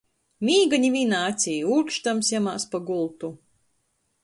Mīga nivīnā acī. Ūrkšdams jemās pa gultu.